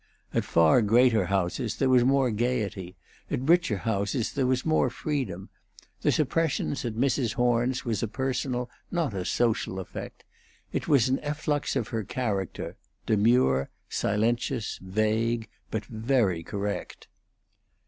At far greater houses there was more gayety, at richer houses there was more freedom; the suppression at Mrs. Horn's was a personal, not a social, effect; it was an efflux of her character, demure, silentious, vague, but very correct.